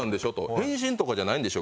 変身とかじゃないんでしょ？